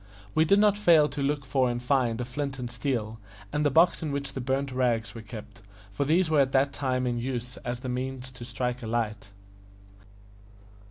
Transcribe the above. We did not fail to look for and find a flint and steel, and the box in which the burnt rags were kept, for these were at that time in use as the means to strike a light.